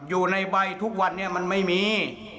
อยู่ในใบทุกวันนี้มันไม่มี